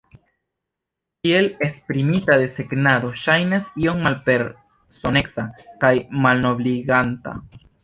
Tiel esprimita, desegnado ŝajnas iom malpersoneca kaj malnobliganta.